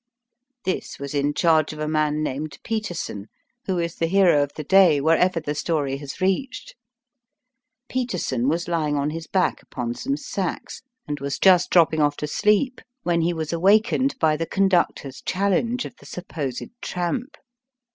This was in charge of a man named Peterson, who is the hero of the day wherever the story has reached. Peterson was lying on his back upon some sacks, and was just dropping off to sleep when he was awakened by the conductor's challenge of the supposed tramp.